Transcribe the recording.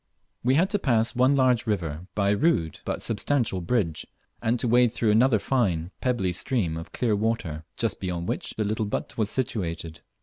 We had to pass one large river, by a rude but substantial bridge, and to wade through another fine pebbly stream of clear water, just beyond which the little but was situated.